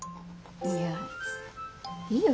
いやいいよ